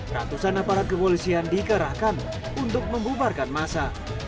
ratusan aparat kepolisian dikerahkan untuk membubarkan masa